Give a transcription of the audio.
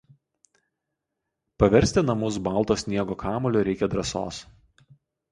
paversti namus balto sniego kamuoliu reikia drąsos